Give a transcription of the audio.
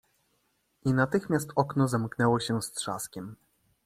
"I natychmiast okno zamknęło się z trzaskiem."